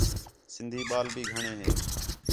سندھی ٻال بھی گھݨے ہے